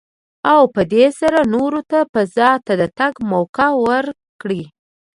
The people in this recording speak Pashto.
او په دې سره نورو ته فضا ته د تګ موکه ورکړي.